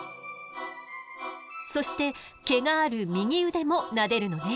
そして毛がある右腕もなでるのね。